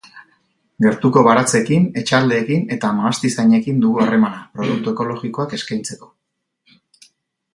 Gertuko baratzekin, etxaldeekin eta mahastizainekin dugu harremana, produkto ekolojikoak eskaintzeko.